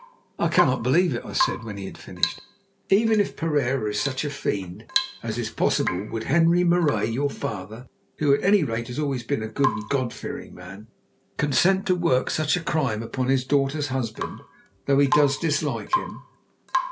"I cannot believe it," I said when he had finished. "Even if Pereira is such a fiend, as is possible, would Henri Marais, your father—who, at any rate, has always been a good and God fearing man—consent to work such a crime upon his daughter's husband, though he does dislike him?"